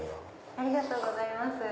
ありがとうございます。